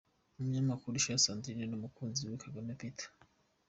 Umunyamakuru Isheja Sandrine n’umukunzi we Kagame Peter.